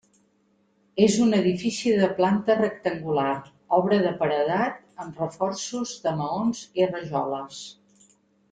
És un edifici de planta rectangular, obra de paredat amb reforços de maons i rajoles.